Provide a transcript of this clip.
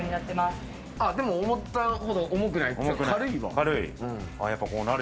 でも思ったほど重くない、軽いわ。